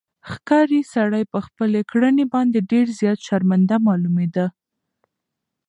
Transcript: ښکاري سړی په خپلې کړنې باندې ډېر زیات شرمنده معلومېده.